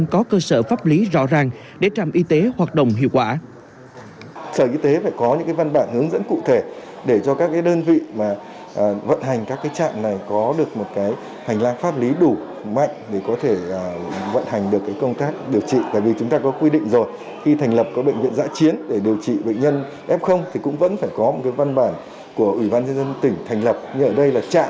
xác sở pháp lý rõ ràng để trạm y tế hoạt động hiệu quả